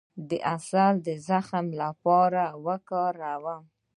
د عسل د زخم لپاره وکاروئ